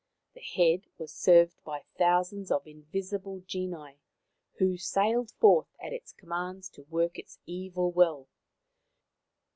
The head was served by thousands of invisible genii, who sallied forth at its commands to work its evil will.